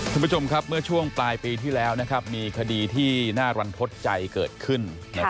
คุณผู้ชมครับเมื่อช่วงปลายปีที่แล้วมีคดีที่น่ารันทดใจเกิดขึ้น